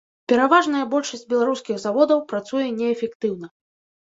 Пераважная большасць беларускіх заводаў працуе неэфектыўна.